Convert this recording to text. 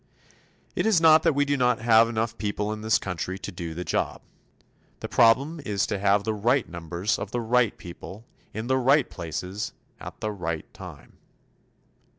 It is not that we do not have enough people in this country to do the job. The problem is to have the right numbers of the right people in the right places at the right time.